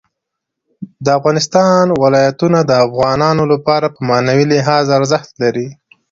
د افغانستان ولايتونه د افغانانو لپاره په معنوي لحاظ ارزښت لري.